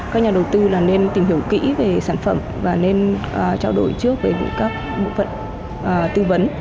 các nhà đầu tư là nên tìm hiểu kỹ về sản phẩm và nên trao đổi trước với các bộ phận tư vấn